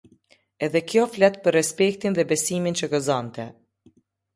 Edhe kjo flet për respektin dhe besimin që gëzonte.